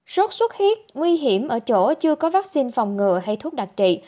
sốt xuất huyết nguy hiểm ở chỗ chưa có vaccine phòng ngừa hay thuốc đặc trị